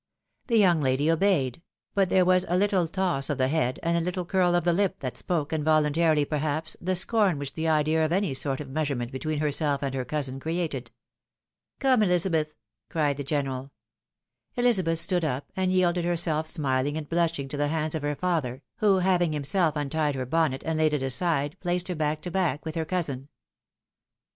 The young lady obeyed ; but there was a little toss of the head, and a little curl of the Hp, that spoke, involuntarily perhaps, the scorn which the idea of any sort of measurement between herself and her cousin created. " Come, Elizabeth," cried the general. Elizabeth stood up, and yielded herself smiling and blushing to the hands of her father, who having himself untied her bonnet and laid it aside, placed her back to back with her cousin.